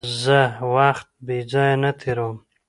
زه وخت بېځایه نه تېرووم.